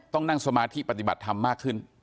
ต้องนั่งสมาธิปฏิบัติธรรมมากขึ้น